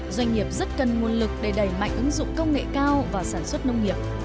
doanh nghiệp rất cần nguồn lực để đẩy mạnh ứng dụng công nghệ cao và sản xuất nông nghiệp